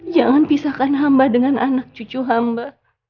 jangan pisahkan hamba dengan anak cucu hamba